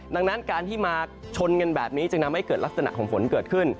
ดังนั้นการที่มาชนกันแบบนี้จึงทำให้เกิดลักษณะของฝนเกิดขึ้น